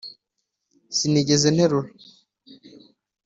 sinigeze nterura